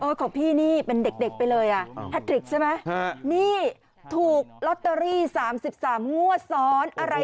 เออของพี่นี่เป็นเด็กไปเลยอ่ะ